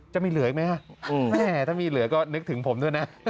จะมีเหลืออีกไหมฮะแม่ถ้ามีเหลือก็นึกถึงผมด้วยนะ